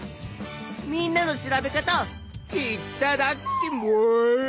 みんなの調べ方いっただきます！